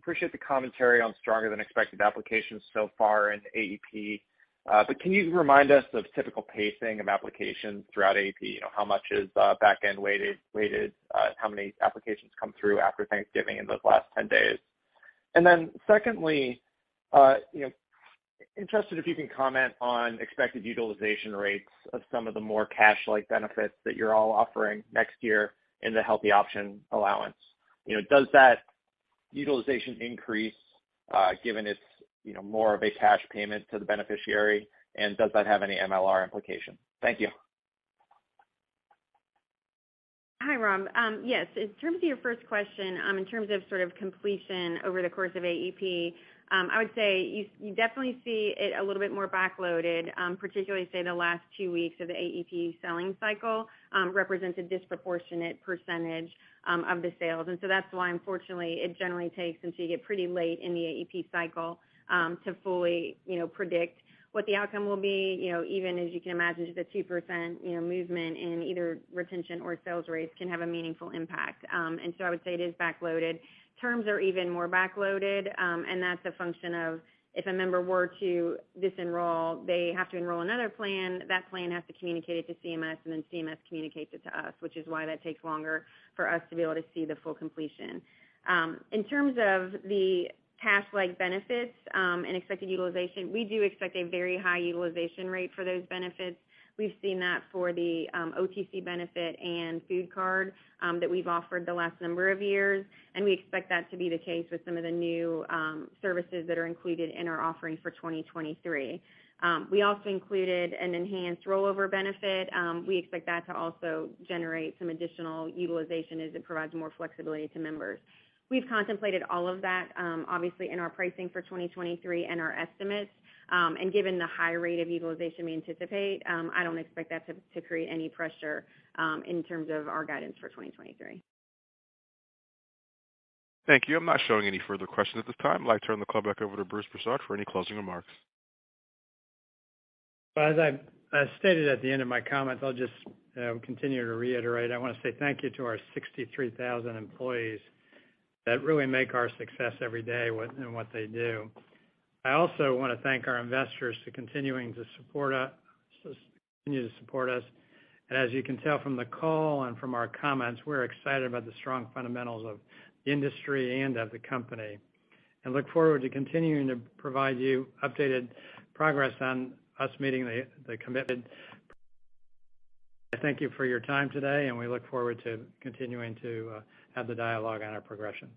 appreciate the commentary on stronger than expected applications so far in AEP. Can you remind us of typical pacing of applications throughout AEP? You know, how much is backend weighted, how many applications come through after Thanksgiving in those last 10 days? Secondly, you know, interested if you can comment on expected utilization rates of some of the more cash-like benefits that you're all offering next year in the Healthy Options allowance. You know, does that utilization increase, given it's, you know, more of a cash payment to the beneficiary, and does that have any MLR implication? Thank you. Hi, Rob. Yes, in terms of your first question, in terms of sort of completion over the course of AEP, I would say you definitely see it a little bit more backloaded, particularly say the last two weeks of the AEP selling cycle represents a disproportionate percentage of the sales. That's why unfortunately it generally takes until you get pretty late in the AEP cycle to fully, you know, predict what the outcome will be, you know, even as you can imagine, just a 2% movement in either retention or sales rates can have a meaningful impact. I would say it is backloaded. Terms are even more backloaded, and that's a function of if a member were to dis-enroll, they have to enroll another plan. That plan has to communicate it to CMS, and then CMS communicates it to us, which is why that takes longer for us to be able to see the full completion. In terms of the task-like benefits and expected utilization, we do expect a very high utilization rate for those benefits. We've seen that for the OTC benefit and food card that we've offered the last number of years, and we expect that to be the case with some of the new services that are included in our offering for 2023. We also included an enhanced rollover benefit. We expect that to also generate some additional utilization as it provides more flexibility to members. We've contemplated all of that, obviously in our pricing for 2023 and our estimates, and given the high rate of utilization we anticipate, I don't expect that to create any pressure in terms of our guidance for 2023. Thank you. I'm not showing any further questions at this time. I'd like to turn the call back over to Bruce Broussard for any closing remarks. As I stated at the end of my comments, I'll just continue to reiterate, I wanna say thank you to our 63,000 employees that really make our success every day within what they do. I also wanna thank our investors for continuing to support us. As you can tell from the call and from our comments, we're excited about the strong fundamentals of the industry and of the company, and look forward to continuing to provide you with updated progress on us meeting the commitment. I thank you for your time today, and we look forward to continuing to have the dialogue on our progression.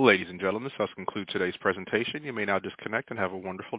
Ladies and gentlemen, this does conclude today's presentation. You may now disconnect and have a wonderful day.